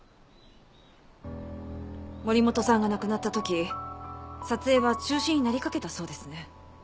森本さんが亡くなった時撮影は中止になりかけたそうですね。